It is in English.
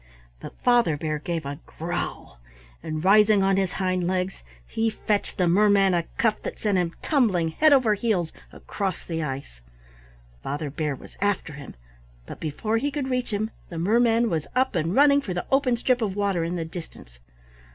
But Father Bear gave a growl, and rising on his hind legs he fetched the merman a cuff that sent him tumbling head over heels across the ice. Father Bear was after him, but before he could reach him the merman was up and running for the open strip of water in the distance.